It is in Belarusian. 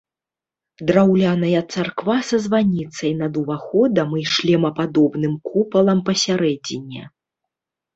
Драўляная царква са званіцай над уваходамі і шлемападобным купалам пасярэдзіне.